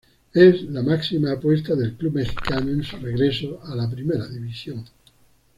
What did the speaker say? Es la máxima apuesta del club Mexicano en su regreso a la primera división.